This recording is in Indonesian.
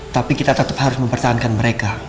tapi kita tetap harus mempertahankan mereka